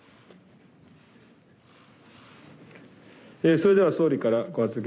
それでは総理からご発言